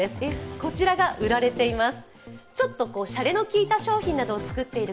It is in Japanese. こちらが売られています。